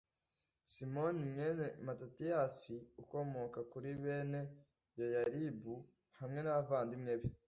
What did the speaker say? simoni mwene matatiyasi, ukomoka kuri bene yoyaribu hamwe n'abavandimwe be